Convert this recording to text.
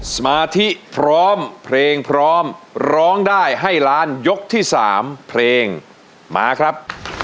สมาธิพร้อมเพลงพร้อมร้องได้ให้ล้านยกที่๓เพลงมาครับ